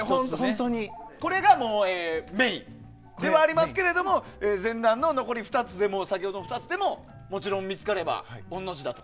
これがメインではありますけども前段の、先ほどの２つでももちろん見つかれば御の字だと。